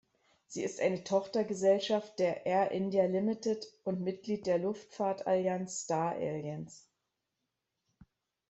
Sie ist eine Tochtergesellschaft der Air India Limited und Mitglied der Luftfahrtallianz Star Alliance.